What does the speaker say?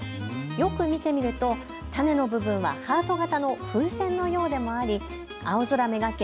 よく見ていると種の部分はハート形の風船のようでもあり青空目がけ